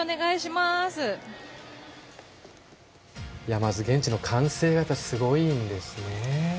まず現地の歓声がすごいんですね。